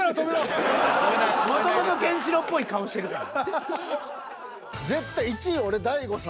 もともとケンシロウっぽい顔してるから。